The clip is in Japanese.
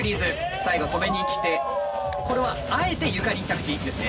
最後止めにきてこれはあえて床に着地ですね。